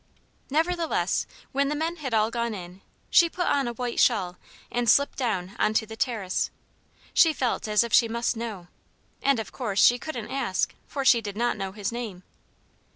Nevertheless, when the men had all gone in, she put on a white shawl and slipped down on to the terrace. She felt as if she must know; and of course she couldn't ask, for she did not know his name.